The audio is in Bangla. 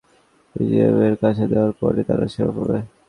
তথ্যভান্ডারে যুক্ত হওয়ার অর্থ বিজিএমইএর কাছে দেওয়ার পরই তারা সেবা পাবে।